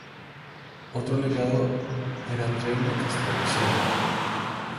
Otro legado era el reino que estableció.